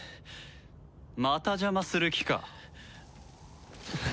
また邪魔する気か。